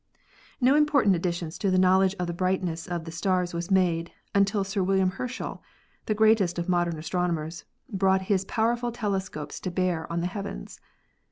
No important additions to the knowledge of the bright ness of the stars was made until Sir William Herschel, the greatest of modern astronomers, brought his powerful telescopes to bear on the heavens.